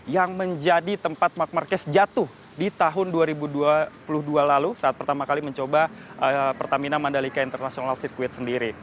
yang menjadi tempat mark marquez jatuh di tahun dua ribu dua puluh dua lalu saat pertama kali mencoba pertamina mandalika international circuit sendiri